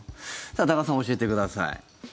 さあ、多賀さん教えてください。